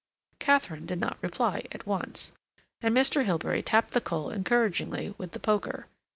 Katharine did not reply at once, and Mr. Hilbery tapped the coal encouragingly with the poker.